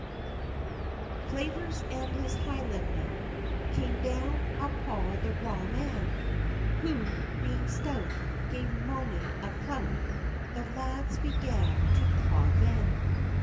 CLAVERS and his Highlandmen Came down upo' the raw, man, Who being stout, gave mony a clout; The lads began to claw then.